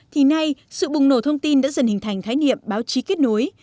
thì nay sự bùng nổ thông tin đã dần hình thành khái niệm báo chí kết nối